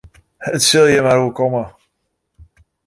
It sil jin mar oerkomme.